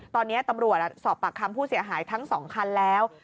ตอนนี้ตำรวจสอบปากคำผู้เสียหายทั้ง๒คันแล้ว